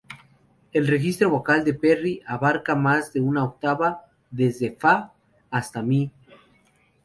El registro vocal de Perry abarca más de una octava, desde "fa" hasta "mi"♭.